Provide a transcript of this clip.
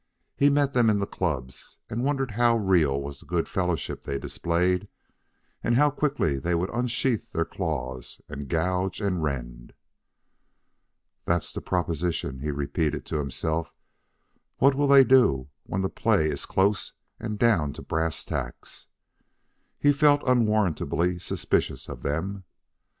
He met them in the clubs, and wondered how real was the good fellowship they displayed and how quickly they would unsheathe their claws and gouge and rend. "That's the proposition," he repeated to himself; "what will they all do when the play is close and down to brass tacks?" He felt unwarrantably suspicious of them.